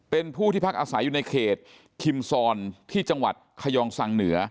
เป็นผู้ที่พักอาศัยอยู่ในเขตคิมซอนที่จังหวัดขยองสังเหนือ